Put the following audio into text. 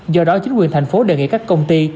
do đó chính quyền thành phố đề nghị các công ty